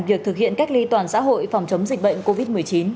việc thực hiện cách ly toàn xã hội phòng chống dịch bệnh covid một mươi chín